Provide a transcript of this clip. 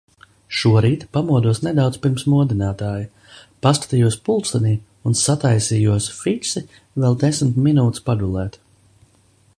Šorīt pamodos nedaudz pirms modinātāja, paskatījos pulkstenī un sataisījos fiksi vēl desmit minūtes pagulēt.